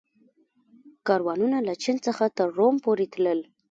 کاروانونه له چین څخه تر روم پورې تلل